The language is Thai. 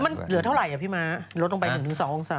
มันเหลือเท่าไหร่พี่ม้าลดลงไป๑๒องศา